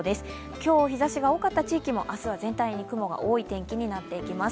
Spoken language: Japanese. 今日、日ざしが多かった地域も明日は全体に雲が多い天気になっていきます。